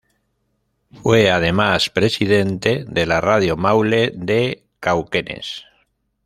Fue además Presidente de la Radio Maule de Cauquenes.